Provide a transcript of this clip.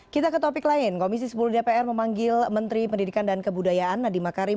kita ke topik lain komisi sepuluh dpr memanggil menteri pendidikan dan kebudayaan nadiem makarim